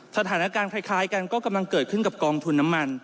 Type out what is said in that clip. สถานการณ์คล้ายกันก็กำลังเกิดขึ้นกับกองทุนน้ำมัน